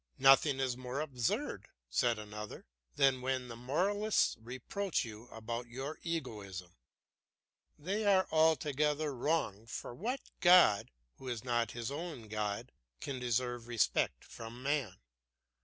"Nothing is more absurd," said another, "than when the moralists reproach you about your egoism. They are altogether wrong; for what god, who is not his own god, can deserve respect from man?